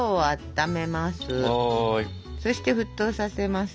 そして沸騰させます。